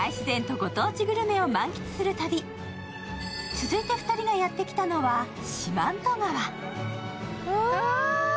続いて２人がやってきたのは四万十川。